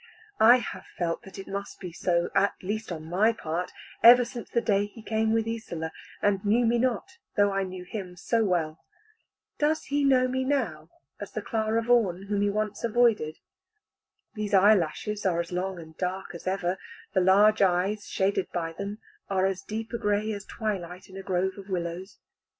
I have felt that it must be so, at least on my part, ever since the day he came with Isola, and knew me not, though I knew him so well. Does he know me now as the Clara Vaughan whom he once avoided? These eyelashes are as long and dark as ever; the large eyes, shaded by them, are as deep a gray as twilight in a grove of willows.